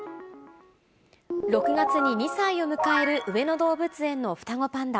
６月に２歳を迎える上野動物園の双子パンダ。